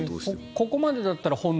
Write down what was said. ここまでだったら本能。